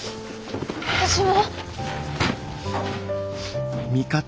私も。